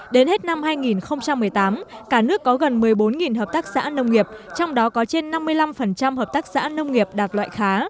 đến hết năm hai nghìn một mươi tám cả nước có gần một mươi bốn hợp tác xã nông nghiệp trong đó có trên năm mươi năm hợp tác xã nông nghiệp đạt loại khá